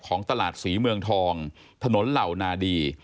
ของตลาดศรีเมืองทองถนนเหล่านาดี